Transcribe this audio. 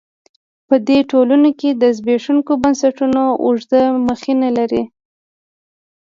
په دې ټولنو کې زبېښونکي بنسټونه اوږده مخینه لري.